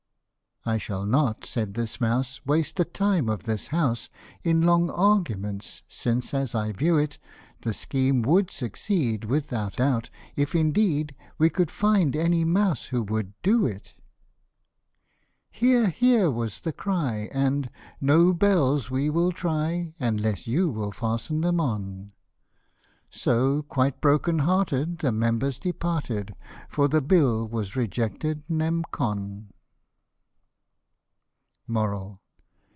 " I shall not," said this mouse, f< waste the time of the house In long arguments ; since, as I view it, The scheme would succeed, without doubt, if indeed We could find any mouse who would do it." " Hear! hear!" was the cry, and " no bells we will try Unless you will fasten them on ;" So quite broken hearted the members departed, For the bill was rejected nem. con.